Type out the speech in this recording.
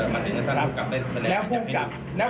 ไม่เช็ค